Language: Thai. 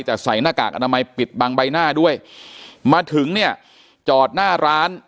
แต่ใส่หน้ากากอนามัยปิดบังใบหน้าด้วยมาถึงเนี่ยจอดหน้าร้าน